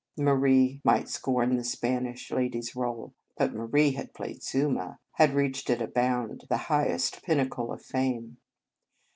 Marie might scorn the Spanish lady s role ; but then Marie had played " Zuma," had reached at a bound the highest pinnacle of fame.